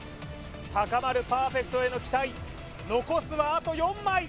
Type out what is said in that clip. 高まるパーフェクトへの期待残すはあと４枚！